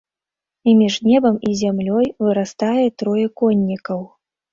І між небам і зямлёй вырастае трое коннікаў.